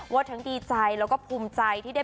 ก็ดีใจและพูดใจ